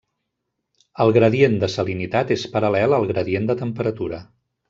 El gradient de salinitat és paral·lel al gradient de temperatura.